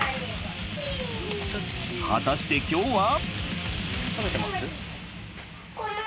果たして今日は？